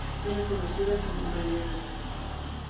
Era conocida como "Mariana".